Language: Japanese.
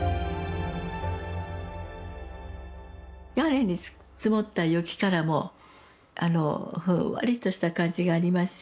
屋根に積もった雪からもふんわりとした感じがありますし